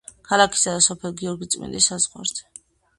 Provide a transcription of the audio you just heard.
ქალაქისა და სოფელ გიორგიწმინდის საზღვარზე.